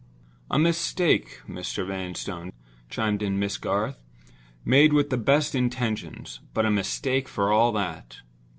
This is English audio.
"A mistake, Mr. Vanstone," chimed in Miss Garth. "Made with the best intentions—but a mistake for all that."